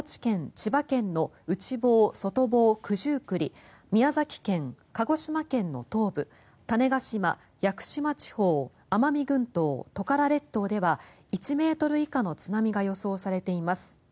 千葉県の内房、外房、九十九里宮崎県、鹿児島県の東部種子島・屋久島地方奄美群島・トカラ列島では１ｍ以下の津波が予想されています。